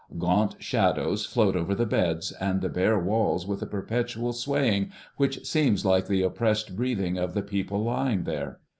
Gaunt shadows float over the beds and the bare walls with a perpetual swaying, which seems like the oppressed breathing of the people lying there.